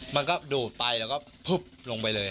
มันก็ดูดไปแล้วก็พึบลงไปเลย